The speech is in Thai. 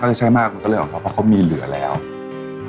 ส่วนความเพียงเราก็ถูกพูดอยู่ตลอดเวลาในเรื่องของความพอเพียง